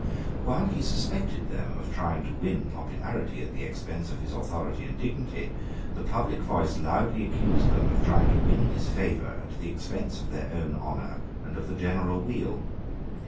While he suspected them of trying to win popularity at the expense of his authority and dignity, the public voice loudly accused them of trying to win his favour at the expense of their own honour and of the general weal.